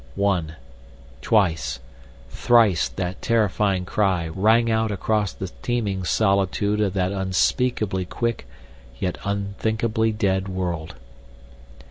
One—twice—thrice that terrifying cry rang out across the teeming solitude of that unspeakably quick, yet unthinkably dead, world.